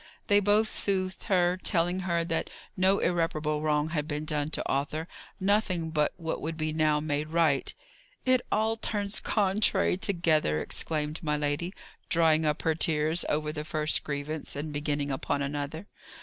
They both soothed her; telling her that no irreparable wrong had been done to Arthur; nothing but what would be now made right. "It all turns contrary together!" exclaimed my lady, drying up her tears over the first grievance, and beginning upon another.